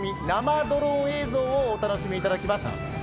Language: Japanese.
生ドローン映像を御覧いただきます。